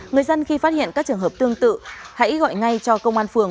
người dân khi phát hiện các trường hợp tương tự hãy gọi ngay cho công an phường